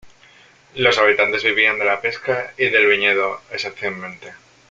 Los habitantes vivían de la pesca y del viñedo esencialmente.